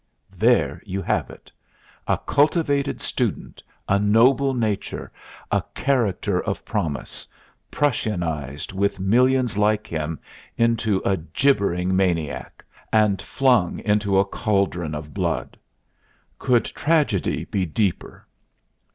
There you have it! A cultivated student, a noble nature, a character of promise, Prussianized, with millions like him, into a gibbering maniac, and flung into a caldron of blood! Could tragedy be deeper?